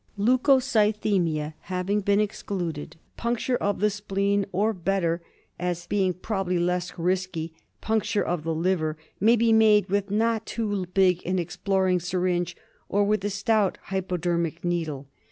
Leucocythemia having been excluded, puncture of the spleen or, better, as being probably less risky, puncture of the liver may be made with not too big an exploring syringe, or with a stout hypodermic needle.